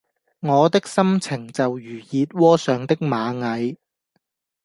我的心情就如熱窩上的螞蟻